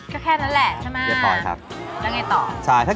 ก็แค่นั้นแหละใช่ไหมเรียบร้อยครับ